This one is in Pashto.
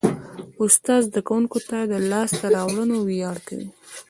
استاد د زده کوونکي د لاسته راوړنو ویاړ کوي.